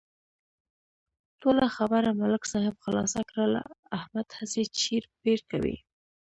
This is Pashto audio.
ټوله خبره ملک صاحب خلاصه کړله، احمد هسې چېړ پېړ کوي.